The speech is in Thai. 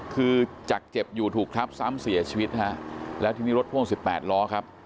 คือจากเจ็บอยู่ถูกทับซ้ำเสียชีวิตฮะแล้วทีนี้รถพ่วง๑๘ล้อครับ